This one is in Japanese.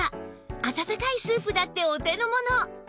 温かいスープだってお手のもの